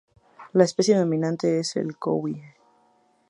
La especie dominante es el coihue.